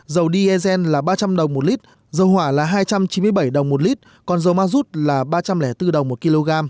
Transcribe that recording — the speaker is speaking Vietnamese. dầu diesel là ba trăm linh một lít dầu hỏa là hai trăm chín mươi bảy một lít còn dầu ma rút là ba trăm linh bốn một kg